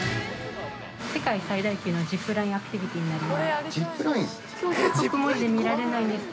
◆世界最大級のジップラインアクティビティになります。